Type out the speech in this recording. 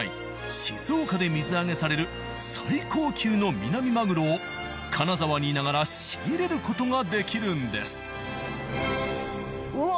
静岡で水揚げされる最高級のミナミマグロを金沢にいながら仕入れることができるんですうわ